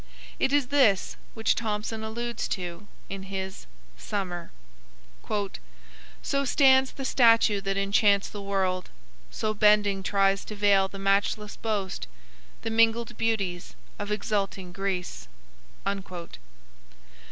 It is this which Thomson alludes to in his "Summer": "So stands the statue that enchants the world; So bending tries to veil the matchless boast, The mingled beauties of exulting Greece."